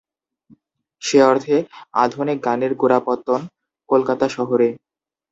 সে অর্থে আধুনিক গানের গোড়াপত্তন কলকাতা শহরে।